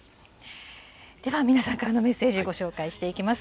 では皆さんからのメッセージ、ご紹介していきます。